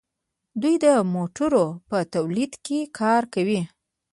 دوی د موټرو په تولید کې کار کوي.